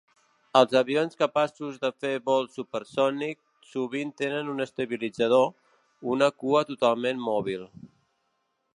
Els avions capaços de fer vols supersònic sovint tenen un estabilitzador, una cua totalment mòbil.